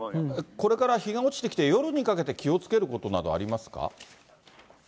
これから日が落ちてきて、夜にかけて気をつけることなどありますか。